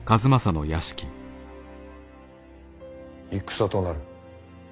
戦となる。